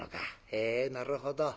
へえなるほど。